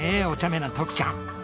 おちゃめなトキちゃん。